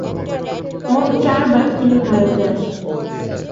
মোট চারবার তিনি ভারতে আসেন।